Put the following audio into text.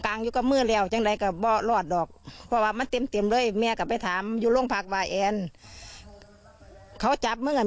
ใครเราจะบอกฉันปล่อยทางมือแล้ว